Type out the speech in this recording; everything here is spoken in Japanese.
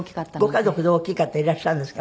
ご家族で大きい方いらっしゃるんですか？